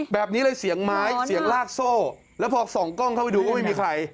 แบบนี้เลยเสียงไม้เสียงลากโซ่แล้วพอส่องกล้องเข้าไปดูก็ไม่มีใคร